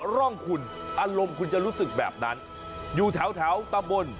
ก่อนใหญ่ผมจะลงนรก